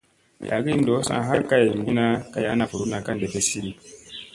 Lagi ɗossa ha kay mɓutlina kay ana vuruɗna ka ɗeffesidi.